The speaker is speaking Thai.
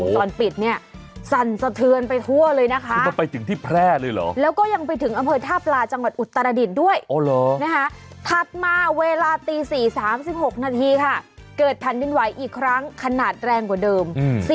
ตี๓๖นาทีค่ะเกิดแผ่นดินไหว้อีกครั้งขนาดแรงกว่าเดิม๔๑